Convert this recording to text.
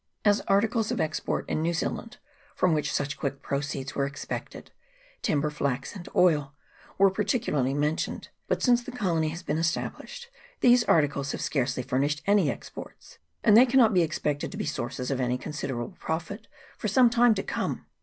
As articles of export in New Zealand, from which such quick proceeds were expected, timber, flax, and 6 GENERAL REMARKS. [CHAP. I. oil were particularly mentioned ; but, since the colony has been established, these articles have scarcely furnished any exports, and they cannot be expected to be sources of any considerable profit for some time to come.